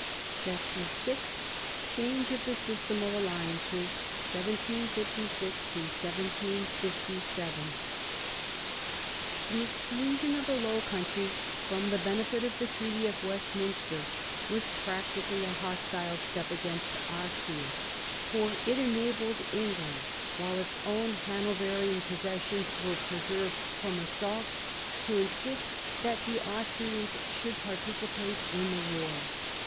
CHAPTER VI CHANGE OF THE SYSTEM OF ALLIANCES (continued) 1756 7 The exclusion of the Low Countries from the benefit of the Treaty of Westminster was practically a hostile step against Austria, for it "enabled England, while its own Hanoverian possessions were preserved from assault^ to insist that the Austrians should participate in the war.